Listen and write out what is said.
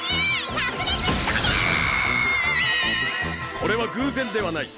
これは偶然ではない。